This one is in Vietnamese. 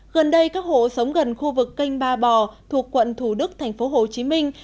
gần đây các hộ sống gần khu vực kênh ba bò thuộc quận thủ đức thành phố hồ chí minh